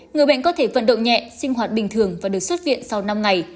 người bệnh có thể vận động nhẹ sinh hoạt bình thường và được xuất viện sau năm ngày